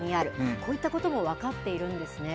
こういったことも分かっているんですね。